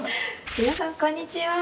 皆さんこんにちは。